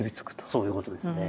そういうことですね。